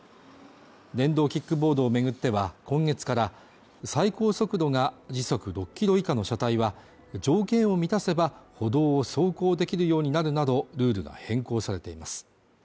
電動キックボードを巡っては、今月から最高速度が時速６キロ以下の車体は条件を満たせば歩道を走行できるようになるなど、ルールが変更されています。